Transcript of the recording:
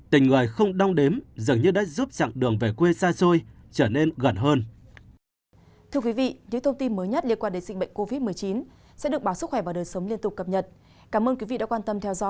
tình người không đong đếm dường như đã giúp chặng đường về quê xa xôi trở nên gần hơn